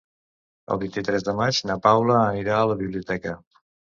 El vint-i-tres de maig na Paula anirà a la biblioteca.